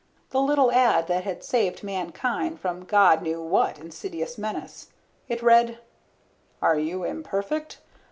The little ad that had saved mankind from God knew what insidious menace. It read: ARE YOU IMPERFECT?